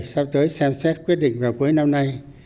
sắp tới xem xét quyết định vào cuối năm nay